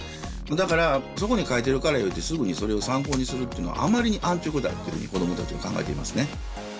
だからそこに書いてるからいうてすぐにそれを参考にするっていうのはあまりに安直だっていうふうに子供たちは考えていますね。